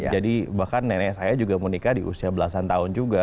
jadi bahkan nenek saya juga menikah di usia belasan tahun juga